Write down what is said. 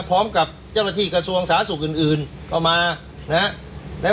พร้อมกับเจ้าละที่กระทรวงสาธุอื่นอื่นก็มานะฮะใน